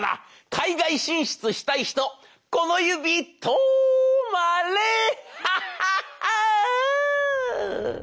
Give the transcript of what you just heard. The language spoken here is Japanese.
海外進出したい人この指とまれ！ハハハー！」。